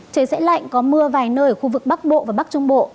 trời sẽ lạnh có mưa vài nơi ở khu vực bắc bộ và bắc trung bộ